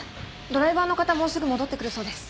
ドライバーの方もうすぐ戻ってくるそうです。